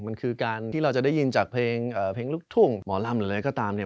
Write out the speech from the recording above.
มันคือการที่เราจะได้ยินจากเพลงลูกทุ่งหมอลำหรืออะไรก็ตามเนี่ย